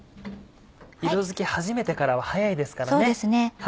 色づき始めてからは早いですからね。